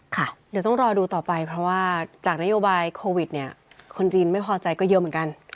ค่ะเดี๋ยวต้องรอดูต่อไปเพราะว่าจากนโยบายโควิดเนี่ยคนจีนไม่พอใจก็เยอะเหมือนกัน